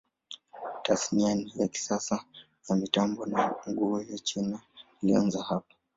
Tasnia ya kisasa ya mitambo na nguo ya China ilianza hapa.